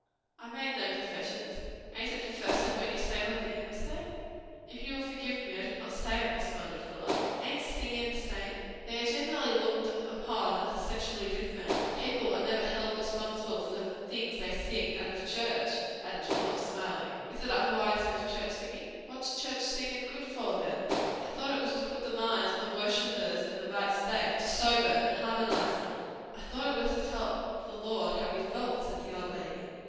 "I made no professions." "Ain't it professin', when you say what the hymns say?" "If you will forgive me I did not say it," responded Philip. "Ain't singin' sayin'?" "They are generally looked upon as essentially different. People are never held responsible for the things they sing, out of church," added Philip, smiling. "Is it otherwise with church singing?" "What's church singin' good for, then?" "I thought it was to put the minds of the worshippers in a right state; to sober and harmonize them." "I thought it was to tell the Lord how we felt," said the old lady.